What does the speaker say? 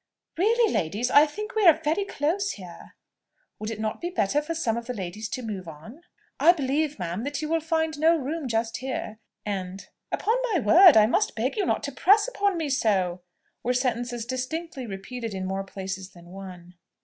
"Really, ladies, I think we are very close here:" "Would it not be better for some of the ladies to move on?" "I believe, ma'am, that you will find no room just here:" and, "Upon my word I must beg you not to press upon me so!" were sentences distinctly repeated in more places than one.